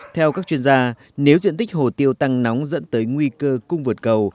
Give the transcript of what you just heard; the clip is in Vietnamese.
theo các chuyên gia nếu diện tích hồ tiêu tăng nóng dẫn tới nguy cơ cung vượt cầu